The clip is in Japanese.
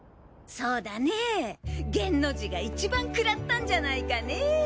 そうだね源の字がいちばんくらったんじゃないかね。